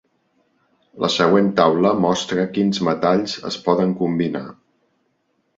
La següent taula mostra quins metalls es poden combinar.